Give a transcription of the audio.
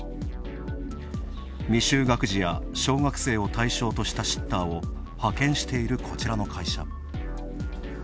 未就学児や小学生を対象としたシッターを派遣している、こちらの会社。